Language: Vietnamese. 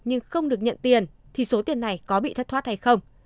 nhưng không được nhận tiền thì số tiền này có bị thất thoát hay không